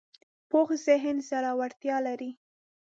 پوخ ذهن زړورتیا لري